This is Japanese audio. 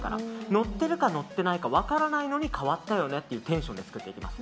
のっているか、のっていないか分からないのに変わったよねっていうテンションでつけていきます。